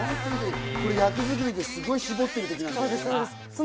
役作りですごい絞ってる時じゃないですか？